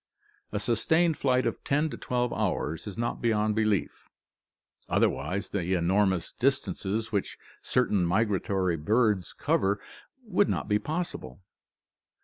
A sustained flight of ten to twelve hours is not beyond belief, otherwise the enormous distances which certain migratory birds cover would not be possible.